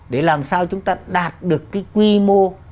để làm sao chúng ta đạt được cái quy mô